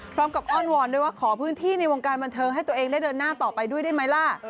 อ้อนวอนด้วยว่าขอพื้นที่ในวงการบันเทิงให้ตัวเองได้เดินหน้าต่อไปด้วยได้ไหมล่ะ